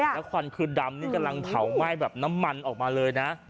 แล้วควันคือดำนี่กำลังเผาไหม้แบบน้ำมันออกมาเลยนะ